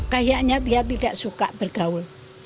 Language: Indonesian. kayaknya dia tidak suka bergaul